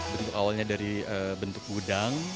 bentuk awalnya dari bentuk gudang